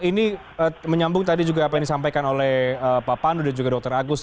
ini menyambung tadi juga apa yang disampaikan oleh pak pandu dan juga dr agus